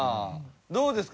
どうですか？